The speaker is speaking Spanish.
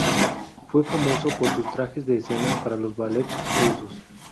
Fue famoso por sus trajes de escena para los Ballets Rusos.